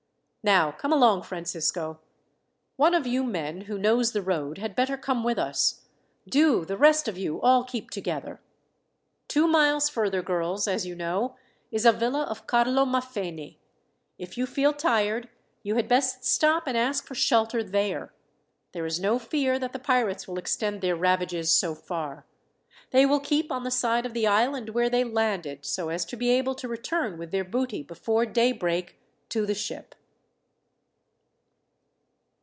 "Now come along, Francisco. "One of you men who knows the road had better come with us. Do the rest of you all keep together. "Two miles further, girls, as you know, is a villa of Carlo Maffene. If you feel tired, you had best stop and ask for shelter there. There is no fear that the pirates will extend their ravages so far. They will keep on the side of the island where they landed, so as to be able to return with their booty before daybreak to the ship."